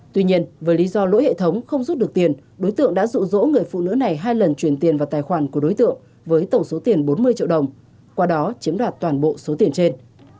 tuy nhiên với lý do lỗi hệ thống không rút được tiền đối tượng đã rụ rỗ người phụ nữ này hai lần chuyển tiền vào tài khoản của đối tượng với tổng số tiền bốn mươi triệu đồng qua đó chiếm đoạt toàn bộ số tiền trên